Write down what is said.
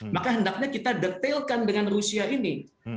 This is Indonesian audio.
maka hendaknya kita detailkan dengan rusia ini